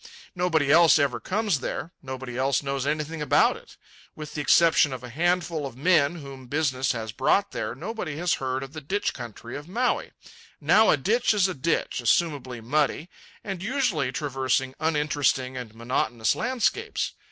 Nobody else ever comes there. Nobody else knows anything about it. With the exception of a handful of men, whom business has brought there, nobody has heard of the ditch country of Maui. Now a ditch is a ditch, assumably muddy, and usually traversing uninteresting and monotonous landscapes.